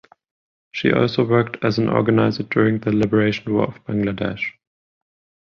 She also worked as an organizer during the Liberation War of Bangladesh.